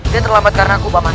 dia terlambat karena aku obama